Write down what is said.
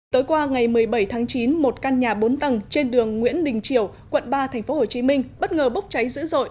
tối qua ngày một mươi bảy tháng chín một căn nhà bốn tầng trên đường nguyễn đình triều quận ba tp hcm bất ngờ bốc cháy dữ dội